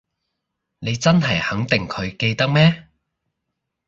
你真係肯定佢記得咩？